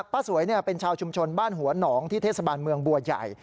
ป้าสวยเป็นชาวชุมชนบ้านหัวหนองที่เทศบาลเมืองบัวใหญ่